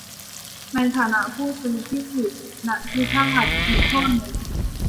ในฐานะผู้ซื้อที่นาพิพาทอีกทอดหนึ่ง